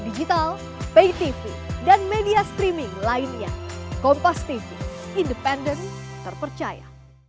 digital pay tv dan media streaming lainnya kompas tv independen terpercaya